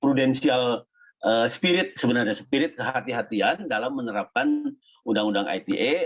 prudensial spirit sebenarnya spirit kehatian kehatian dalam menerapkan undang undang ite